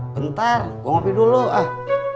bentar gue ngopi dulu ah